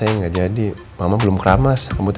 jangan dekat dekat